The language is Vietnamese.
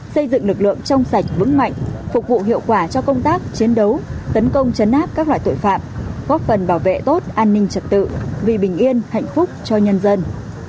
xây dựng lực lượng trong sạch vững mạnh phục vụ hiệu quả cho công tác chiến đấu tấn công chấn áp các loại tội phạm góp phần bảo vệ tốt an ninh trật tự vì bình yên hạnh phúc cho nhân dân